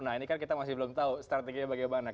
nah ini kan kita masih belum tahu strateginya bagaimana